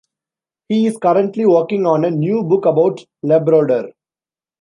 He is currently working on a new book about Labrador.